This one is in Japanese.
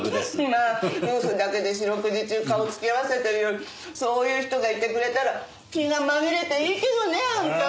まあ夫婦だけで四六時中顔を突き合わせてるよりそういう人がいてくれたら気が紛れていいけどねあんた。